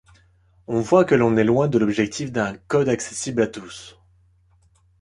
On voit que l’on est loin de l’objectif d’un code accessible à tous.